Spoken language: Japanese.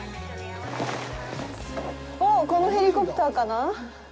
このヘリコプターかな？